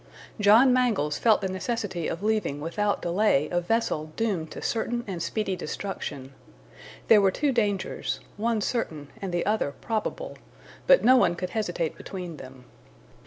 John Mangles felt the necessity of leaving without delay a vessel doomed to certain and speedy destruction. There were two dangers, one certain and the other probable, but no one could hesitate between them.